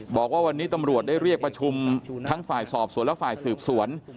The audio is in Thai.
บอกว่าวันนี้ตำรวจได้เรียกประชุมทั้งฝ่ายสอบสวนและฝ่ายสืบสวน